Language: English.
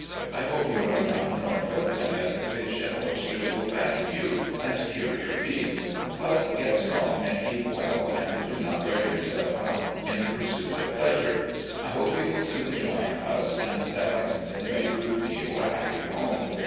I hope you are now in Norfolk, and that the foh and oysters will fatten you and cure your feet !... But get strong and keep well, and do not wear yourself out in the pursuit of pleasure. I hope you will soon join us, and that Lexington may prove to you a happy home.